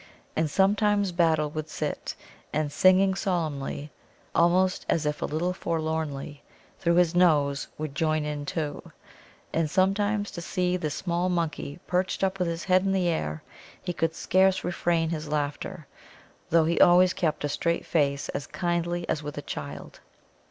And sometimes Battle would sit and, singing solemnly, almost as if a little forlornly, through his nose, would join in too. And sometimes to see this small monkey perched up with head in air, he could scarce refrain his laughter, though he always kept a straight face as kindly as with a child.